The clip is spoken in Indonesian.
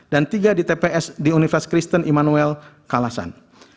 dan tiga di tps di universitas kristen immanuel kalasan